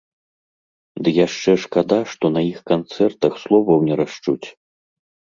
Ды яшчэ шкада, што на іх канцэртах словаў не расчуць.